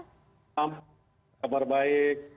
selamat malam kabar baik